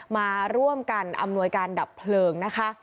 มาร่วมกันอำนวยการดับเพลิงนะคะ